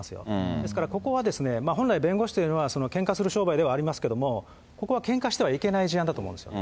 ですから、ここは本来、弁護士というのはけんかする商売ではありますけども、ここはけんかしてはいけない事案だと思うんですよ。